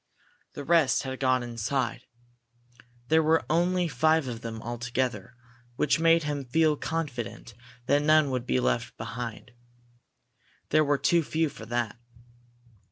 The rest had gone inside. There were only five of them altogether, which made him feel confident that none would be left behind. There were too few for that.